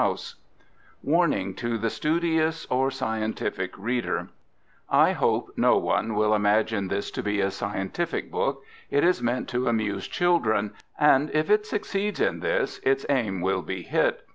Robinson London David Nutt, 270 271, Strand 1897 WARNING To the Studious or Scientific Reader I hope no one will imagine this to be a scientific book. It is meant to amuse children; and if it succeeds in this, its aim will be hit.